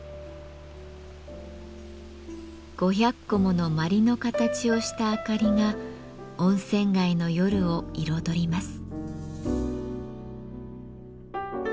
５００個もの鞠の形をしたあかりが温泉街の夜を彩ります。